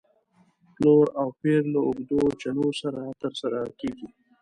پلور او پېر له اوږدو چنو سره تر سره کېږي.